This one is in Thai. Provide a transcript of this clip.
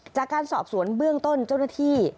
จากการสอบสวนเบื้องต้นเจ้าหน้าที่